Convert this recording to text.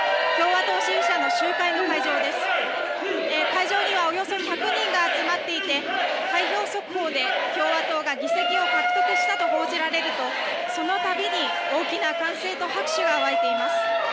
会場にはおよそ１００人が集まっていて開票速報で共和党が議席を獲得したと報じられるとそのたびに大きな歓声と拍手が沸いています。